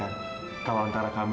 apapun sesuatu mimpi alih kaki